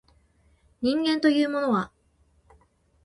人間というものは